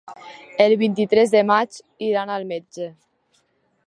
El vint-i-tres de maig iran al metge.